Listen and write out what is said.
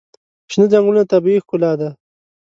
شنه ځنګلونه طبیعي ښکلا ده.